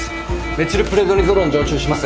メチルプレドニゾロン静注します。